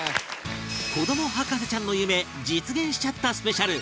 子ども博士ちゃんの夢実現しちゃったスペシャル